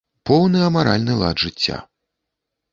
Поўны амаральны лад жыцця.